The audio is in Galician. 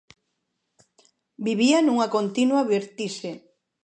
Vivía nunha continua vertixe.